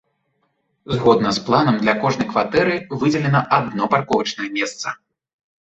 Згодна з планам, для кожнай кватэры выдзелена адно парковачнае месца.